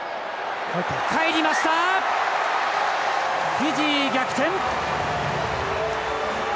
フィジー、逆転！